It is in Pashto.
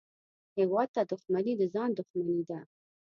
هېواد ته دښمني د ځان دښمني ده